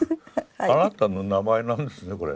「あなたの名前」なんですねこれ。